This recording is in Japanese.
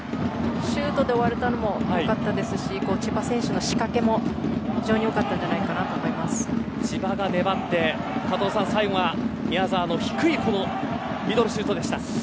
シュートで終われたのも良かったし千葉選手の仕掛けも非常によかったんじゃないかなと千葉が粘って加藤さん、最後は宮澤の低いミドルシュートでした。